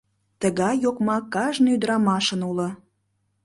Тыгай йокма кажне ӱдырамашын уло.